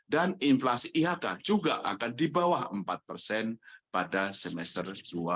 dan inflasi ihk juga akan di bawah empat pada semester dua ribu dua puluh tiga